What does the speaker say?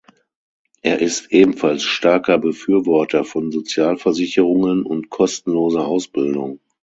Er ist ebenfalls starker Befürworter von Sozialversicherungen und kostenloser Ausbildung.